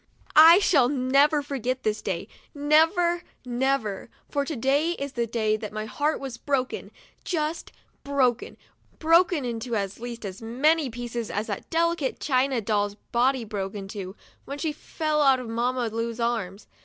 I shall never forget this day, never, never, for to day is the day that my heart was broken, just broken, — broken into at least as many pieces as that delicate china doll*s body broke into, when she fell out of Mamma Lu*s arms.